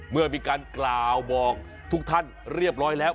เมื่อมีการกล่าวบอกทุกท่านเรียบร้อยแล้ว